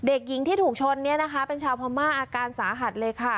เด็กหญิงที่ถูกชนเนี่ยนะคะเป็นชาวพม่าอาการสาหัสเลยค่ะ